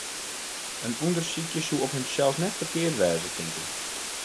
In ûndersykje soe op himsels net ferkeard wêze, tink ik.